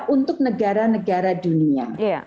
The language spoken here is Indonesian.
untuk negara negara dunia